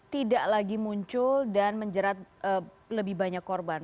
tidak lagi muncul dan menjerat lebih banyak korban